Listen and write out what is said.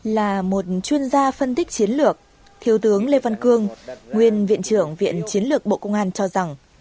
là một chuyên gia phân tích chiến lược thiếu tướng lê văn cương nguyên viện trưởng viện chiến lược bộ công an cho rằng